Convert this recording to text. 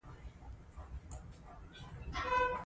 آیا کورنۍ یې لا هم په کارېز کې ده؟